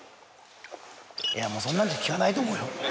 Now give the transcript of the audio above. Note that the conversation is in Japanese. いやもうそんなんじゃ効かないと思うよ。